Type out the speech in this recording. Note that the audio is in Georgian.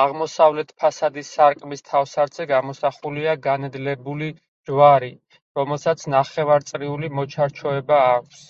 აღმოსავლეთ ფასადის სარკმლის თავსართზე გამოსახულია განედლებული ჯვარი, რომელსაც ნახევარწრიული მოჩარჩოება აქვს.